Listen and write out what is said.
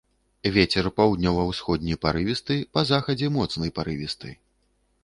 Вецер паўднёва-ўсходні парывісты, па захадзе моцны парывісты.